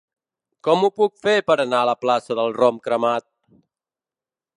Com ho puc fer per anar a la plaça del Rom Cremat?